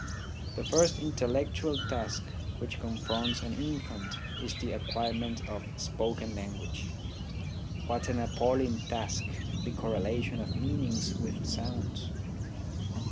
The first intellectual task which confronts an infant is the acquirement of spoken language. What an appal ling task, the correlation of meanings with sounds